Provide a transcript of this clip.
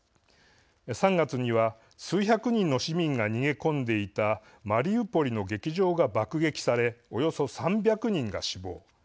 ３月には数百人の市民が逃げ込んでいたマリウポリの劇場が爆撃されおよそ３００人が死亡。